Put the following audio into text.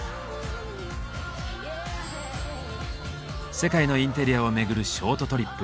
世界のインテリアを巡るショートトリップ。